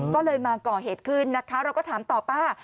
ก็เลยมาก่อเหตุขึ้นนะคะเราก็ถามต่อป้า